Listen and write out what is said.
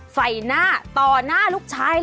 ไฟหน้าต่อหน้าลูกชายเลยค่ะ